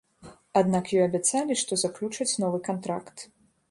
Аднак ёй абяцалі, што заключаць новы кантракт.